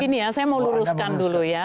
ini ya saya mau luruskan dulu ya